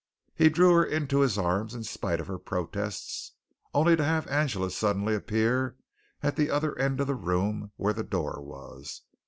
He drew her into his arms in spite of her protest, only to have Angela suddenly appear at the other end of the room where the door was.